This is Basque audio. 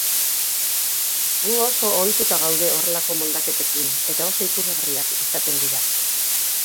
Gu oso ohituta gaude horrelako moldaketekin, eta oso ikusgarriak izaten dira.